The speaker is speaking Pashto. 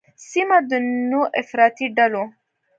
سیمه د نوو افراطي ډلو